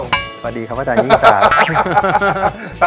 สวัสดีครับอาจารย์ยิ่งสาหรับ